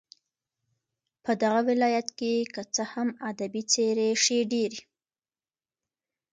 په دغه ولايت كې كه څه هم ادبي څېرې ښې ډېرې